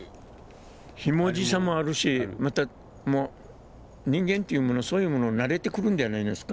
ひもじさもあるしまたもう人間っていうものそういうものに慣れてくるんではないですか？